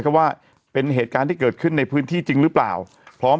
ก็ว่าเป็นเหตุการณ์ที่เกิดขึ้นในพื้นที่จริงหรือเปล่าพร้อม